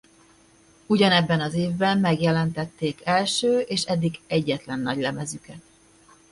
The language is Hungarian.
Ugyanebben az évben megjelentették első és eddig egyetlen nagylemezüket.